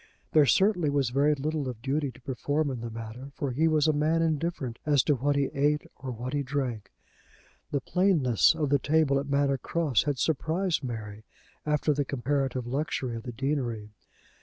There certainly was very little of duty to perform in the matter, for he was a man indifferent as to what he ate, or what he drank. The plainness of the table at Manor Cross had surprised Mary, after the comparative luxury of the deanery.